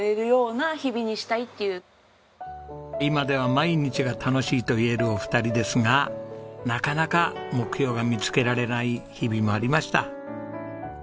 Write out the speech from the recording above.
今では毎日が楽しいと言えるお二人ですがなかなか目標が見つけられない日々もありました。